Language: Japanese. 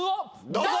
どうぞ！